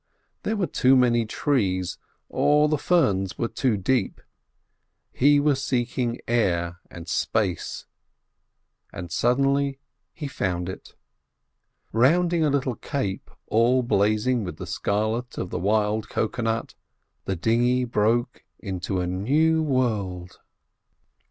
There were too many trees, or the ferns were too deep. He was seeking air and space, and suddenly he found it. Rounding a little cape, all blazing with the scarlet of the wild cocoa nut, the dinghy broke into a new world.